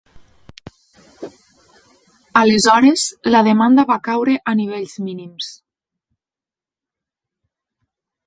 Aleshores, la demanda va caure a nivells mínims.